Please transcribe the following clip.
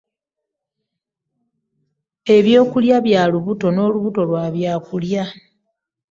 Ebyokulya bya lubuto n'olubuto lwa byakulya.